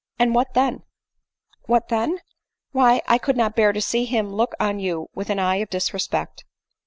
" And what then ?" "What then ?— Why, I could not bear to see him look on you with an eye of disrespect."